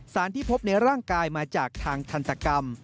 ที่พบในร่างกายมาจากทางทันตกรรม